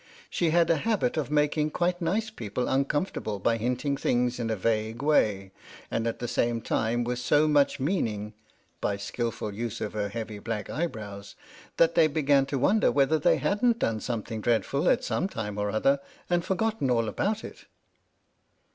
She had a habit of making quite nice people uncomfortable by hinting things in a vague way, and at the same time with so much mean ing (by skilful use of her heavy black eyebrows), that they began to wonder whether they hadn't done something dreadful, at some time or other, and for gotten all about it.